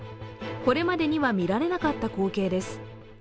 これまでには見られなかった光景です。